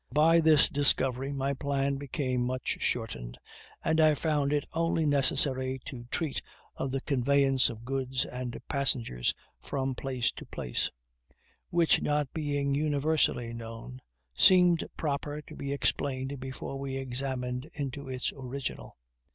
By this discovery my plan became much shortened, and I found it only necessary to treat of the conveyance of goods and passengers from place to place; which, not being universally known, seemed proper to be explained before we examined into its original.